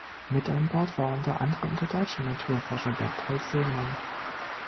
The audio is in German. Mit an Bord war unter anderem der deutsche Naturforscher Berthold Seemann.